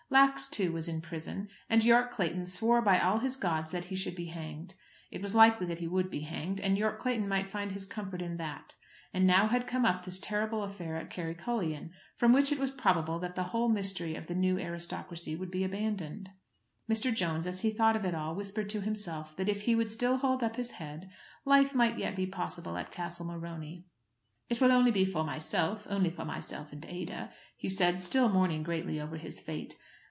Lax, too, was in prison, and Yorke Clayton swore by all his gods that he should be hanged. It was likely that he would be hanged, and Yorke Clayton might find his comfort in that. And now had come up this terrible affair at Kerrycullion, from which it was probable that the whole mystery of the new aristocracy would be abandoned. Mr. Jones, as he thought of it all, whispered to himself that if he would still hold up his head, life might yet be possible at Castle Morony. "It will only be for myself, only for myself and Ada," he said, still mourning greatly over his fate.